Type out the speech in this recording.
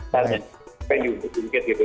supaya juga mungkin gitu